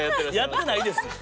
やってないです。